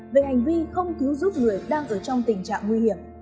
về hành vi không cứu giúp người đang ở trong tình trạng nguy hiểm